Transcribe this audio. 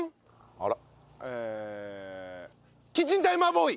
あら。